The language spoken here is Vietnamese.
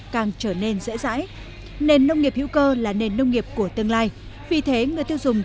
càng trở nên dễ dãi nền nông nghiệp hữu cơ là nền nông nghiệp của tương lai vì thế người tiêu dùng